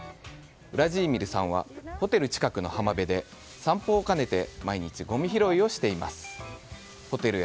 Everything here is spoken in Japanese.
ウラジーミルさんはホテル近くの浜辺で散歩を兼ねて毎日ごみ拾いをしています。